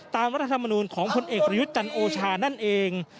ตามรัฐธรรมนูญของคนเอกประยุทธจันทร์โอชานั่นเอง